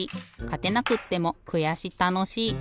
かてなくってもくやしたのしい。